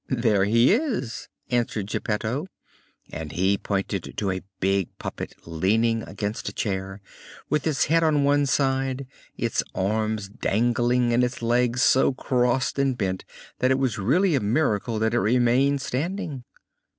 "There he is," answered Geppetto, and he pointed to a big puppet leaning against a chair, with its head on one side, its arms dangling, and its legs so crossed and bent that it was really a miracle that it remained standing.